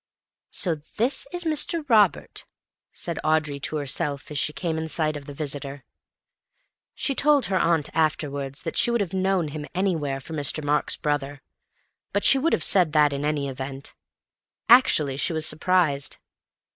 "So this is Mr. Robert," said Audrey to herself, as she came in sight of the visitor. She told her aunt afterwards that she would have known him anywhere for Mr. Mark's brother, but she would have said that in any event. Actually she was surprised.